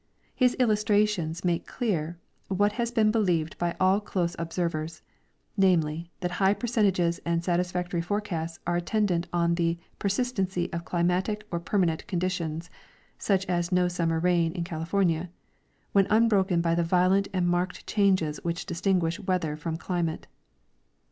His illustrations make clear what has been believed by all close observers, namely, that high percentages and satisfactory forecasts are attendant on the persistency of climatic or permanent conditions (such as no summer rain in California) when unbroken by the violent and marked changes which distinguish weather from climate.